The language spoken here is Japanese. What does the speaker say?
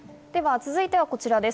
続いてはこちらです。